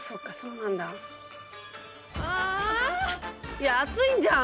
いや熱いんじゃん！